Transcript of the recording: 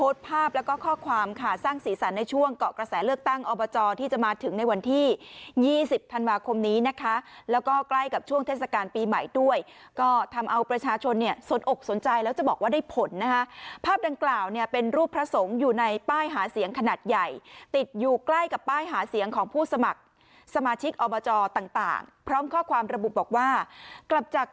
สร้างสีสันในช่วงเกาะกระแสเลือกตั้งอบาจอร์ที่จะมาถึงในวันที่ยี่สิบคันวาคมนี้นะคะแล้วก็ใกล้กับช่วงเทศกาลปีใหม่ด้วยก็ทำเอาประชาชนเนี่ยสนอกสนใจแล้วจะบอกว่าได้ผลนะคะภาพดังกล่าวเนี่ยเป็นรูปพระสงค์อยู่ในป้ายหาเสียงขนาดใหญ่ติดอยู่ใกล้กับป้ายหาเสียงของผู้สมัครสมาชิกอบาจอ